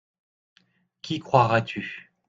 Qui croiras-tu ?